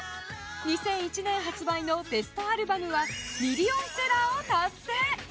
２００１年発売のベストアルバムはミリオンセラーを達成。